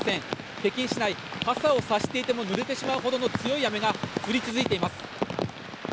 北京市内、傘を差していてもぬれてしまうほどの強い雨が降り続いています。